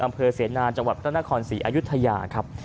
อำเภอเสนานจังหวัดพระนครศรีอายุทยาครับ